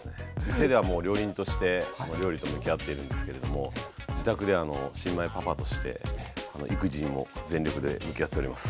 店ではもう料理人として料理と向き合ってるんですけれども自宅では新米パパとして育児にも全力で向き合っております。